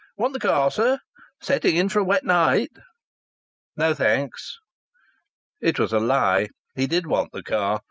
"Want the car, sir?... Setting in for a wet night!" "No, thanks." It was a lie. He did want the car.